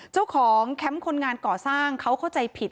แคมป์คนงานก่อสร้างเขาเข้าใจผิด